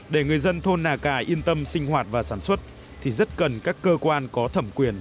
để người dân thôn nà cà yên tâm sinh hoạt và sản xuất thì rất cần các cơ quan có thẩm quyền